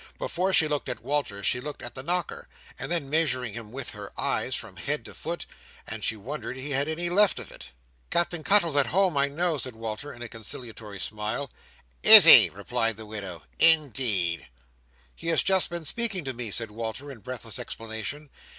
Before she looked at Walter she looked at the knocker, and then, measuring him with her eyes from head to foot, said she wondered he had left any of it. "Captain Cuttle's at home, I know," said Walter with a conciliatory smile. "Is he?" replied the widow lady. "In deed!" "He has just been speaking to me," said Walter, in breathless explanation.